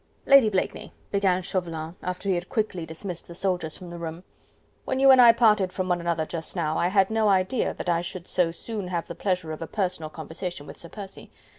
"Lady Blakeney," began Chauvelin after he had quickly dismissed the soldiers from the room, "when you and I parted from one another just now, I had no idea that I should so soon have the pleasure of a personal conversation with Sir Percy....